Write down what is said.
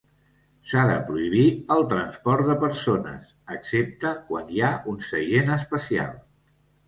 S'ha de prohibir el transport de persones, excepte quan hi ha un seient especial.